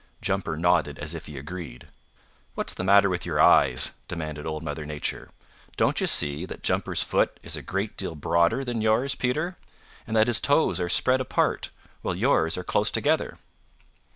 Jumper nodded as if he agreed. "What's the matter with your eyes?" demanded Old Mother Nature. "Don't you see that Jumper's foot is a great deal broader than yours, Peter, and that his toes are spread apart, while yours are close together?"